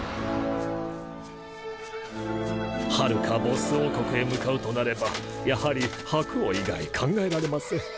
はるかボッス王国へ向かうとなればやはり白王以外考えられません。